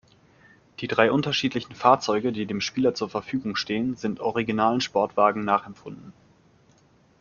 Die drei unterschiedlichen Fahrzeuge, die dem Spieler zur Verfügung stehen, sind originalen Sportwagen nachempfunden.